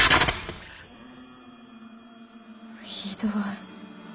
ひどい。